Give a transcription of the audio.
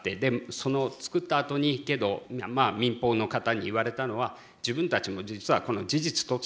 その作ったあとにけど民放の方に言われたのは自分たちも実は事実としては知っていた。